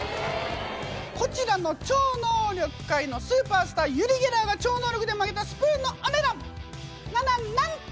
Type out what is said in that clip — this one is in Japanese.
こちらの超能力界のスーパースターユリ・ゲラーが超能力で曲げたスプーンのお値段なななんと！